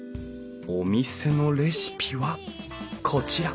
お店のレシピはこちら！